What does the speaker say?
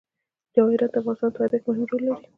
جواهرات د افغانستان په طبیعت کې مهم رول لري.